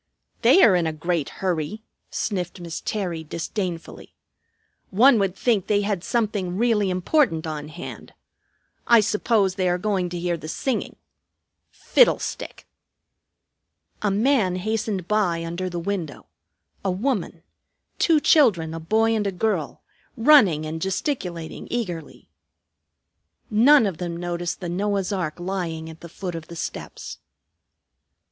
"They are in a great hurry," sniffed Miss Terry disdainfully. "One would think they had something really important on hand. I suppose they are going to hear the singing. Fiddlestick!" A man hastened by under the window; a woman; two children, a boy and a girl, running and gesticulating eagerly. None of them noticed the Noah's ark lying at the foot of the steps.